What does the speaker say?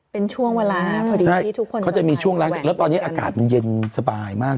เป็นช่วงเวลาพอดีที่ทุกคนเขาจะมีช่วงล้างจากแล้วตอนนี้อากาศมันเย็นสบายมาก